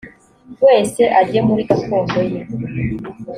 wese ajye muri gakondo ye